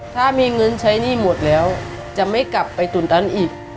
ถ้ามีเงินใช้หนี้หมดแล้วจะไม่กลับไปตุ๋นตันอีก